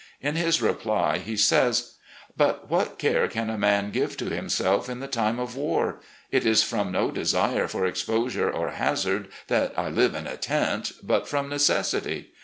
In his reply, he says: "... But what care can a man give to himself in the time of war? It is from no desire for exposure or hazard that I live in a tent, but from necessity.